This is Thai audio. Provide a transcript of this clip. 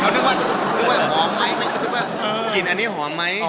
หอมไหมไม่รู้สึกว่ากลิ่นอันนี้หอมไหม